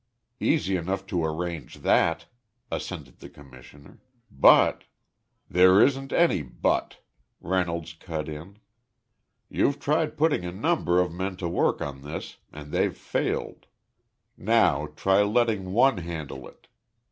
"Easy enough to arrange that," assented the Commissioner, "but " "There isn't any 'but,'" Reynolds cut in. "You've tried putting a number of men to work on this and they've failed. Now try letting one handle it.